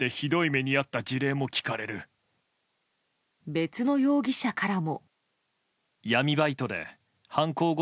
別の容疑者からも。